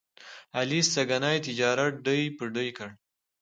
علي سږني تجارت ډۍ په ډۍ کړ.